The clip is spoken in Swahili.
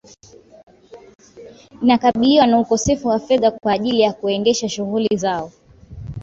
Inakabiliwa na ukosefu wa fedha kwa ajili ya kuendesha shughuli zao